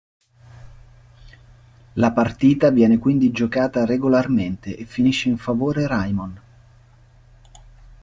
La partita viene quindi giocata regolarmente e finisce in favore Raimon.